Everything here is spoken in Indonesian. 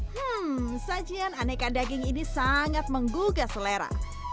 hmm sajian aneka daging ini sangat menggugah selera